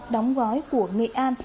đóng gói của nghệ an